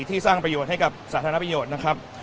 สร้างประโยชน์ให้กับสาธารณประโยชน์นะครับ